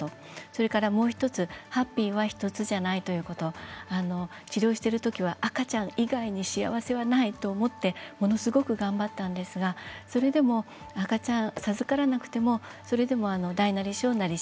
それからもう１つハッピーは１つじゃないということ治療しているときは赤ちゃん以外に幸せはないと思ってものすごく頑張ったんですがそれでも赤ちゃん授からなくても大なり小なり